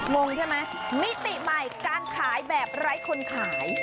งงใช่ไหมมิติใหม่การขายแบบไร้คนขาย